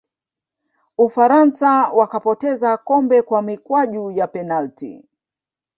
ufaransa wakapoteza kombe kwa mikwaju ya penati